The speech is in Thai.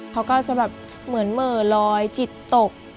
เขาก็จะแบบเหมือนเหม่อลอยจิตตก